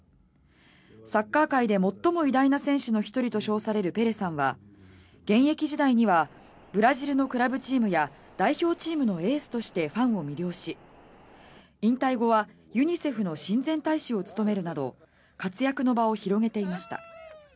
サッカー界で最も偉大な選手の１人と称されるペレさんは現役時代にはブラジルのクラブチームや代表チームのエースとしてファンを魅了し引退後はユニセフの親善大使を務めるなど活躍の場を広げていました。